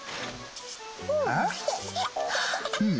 うん。